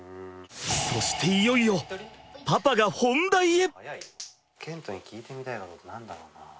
そしていよいよパパが本題へ。